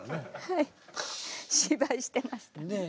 はい芝居してましたね。